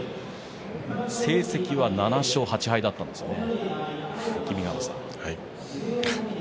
成績は７勝８敗だったんですね。